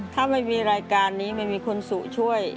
ถ้าไม่มีรายการนี้ไม่มีคุณสู่ช่วย